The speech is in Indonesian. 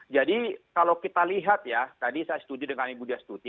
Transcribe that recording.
jadi kalau kita lihat ya tadi saya setuju dengan ibu dya setuti